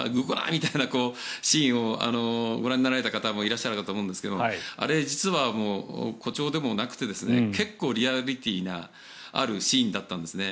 みたいなシーンをご覧になられた方もいらっしゃるかと思うんですがあれ、実は誇張でもなくて結構、リアリティーのあるシーンだったんですね。